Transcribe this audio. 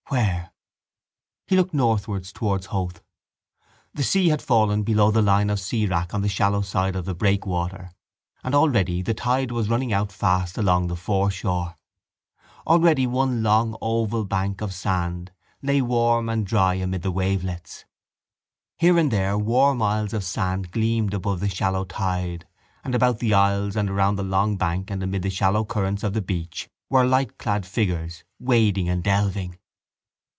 Where? He looked northward towards Howth. The sea had fallen below the line of seawrack on the shallow side of the breakwater and already the tide was running out fast along the foreshore. Already one long oval bank of sand lay warm and dry amid the wavelets. Here and there warm isles of sand gleamed above the shallow tide and about the isles and around the long bank and amid the shallow currents of the beach were lightclad figures, wading and delving.